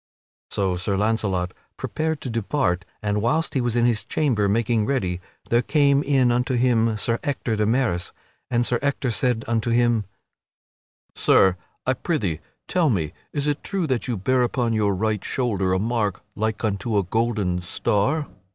So Sir Launcelot prepared to depart, and whilst he was in his chamber making ready there came in unto him Sir Ector de Maris. And Sir Ector said unto him: "Sir, I prithee tell me is it true that you bear upon your right shoulder a mark like unto a golden star?"